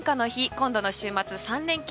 今度の週末、３連休。